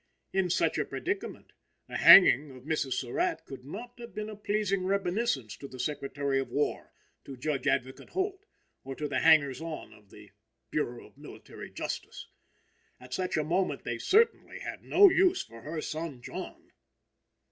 In such a predicament, the hanging of Mrs. Surratt could not have been a pleasing reminiscence to the Secretary of War, to Judge Advocate Holt, or to the hangers on of the Bureau of Military Justice. At such a moment they certainly had no use for her son John.